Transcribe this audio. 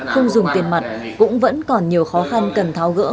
không dùng tiền mặt cũng vẫn còn nhiều khó khăn cần tháo gỡ